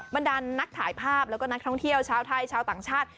บรรดานนักถ่ายภาพแล้วก็นักท่องเที่ยวชาวไทยชาวต่างชาติ